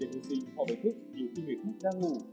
để thí sinh họ phải thích nhiều khi người khác đang ngủ